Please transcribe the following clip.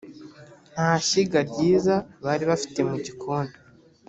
nta shyiga ryiza bari bafite mu gikoni